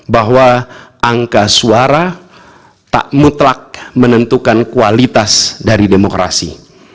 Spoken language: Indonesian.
bahwa angka suara tak mutlak menentukan kualitas dari demokrasi